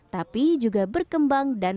tapi juga berkembang dan